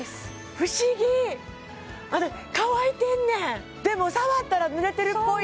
不思議乾いてんねんでも触ったらぬれてるっぽい